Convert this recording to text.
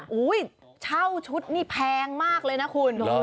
เช่าชุดนี่แพงมากเลยนะคุณ